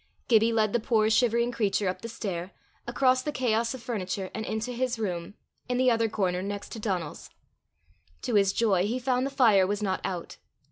Gibbie led the poor shivering creature up the stair, across the chaos of furniture, and into his room, in the other corner next to Donal's. To his joy he found the fire was not out.